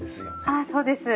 ああそうです。